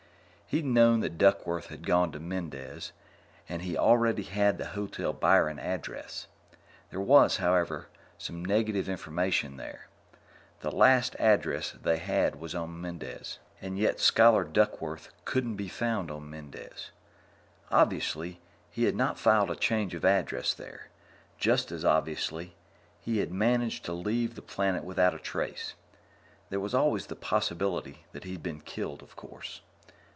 He'd known that Duckworth had gone to Mendez, and he already had the Hotel Byron address. There was, however, some negative information there. The last address they had was on Mendez, and yet Scholar Duckworth couldn't be found on Mendez. Obviously, he had not filed a change of address there; just as obviously, he had managed to leave the planet without a trace. There was always the possibility that he'd been killed, of course.